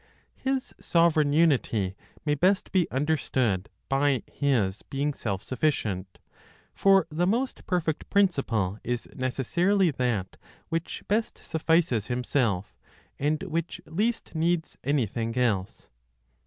His sovereign unity may best be understood by His being self sufficient; for the most perfect principle is necessarily that which best suffices Himself, and which least needs anything else.